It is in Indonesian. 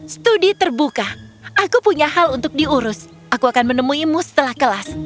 studi terbuka aku punya hal untuk diurus aku akan menemuimu setelah kelas